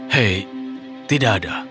hei tidak ada